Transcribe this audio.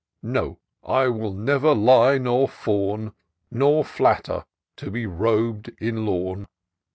No— I will never lie nor fawn. Nor flatter, to be rob'd in lawn.